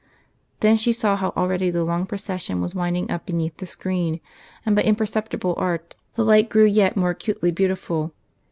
Then she saw how already the long procession was winding up beneath the screen, and by imperceptible art the light grew yet more acutely beautiful.